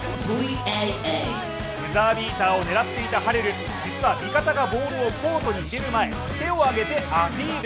ブザービーターを狙っていたハレル、実は味方がボールをコートに入れる前手を上げてアピール。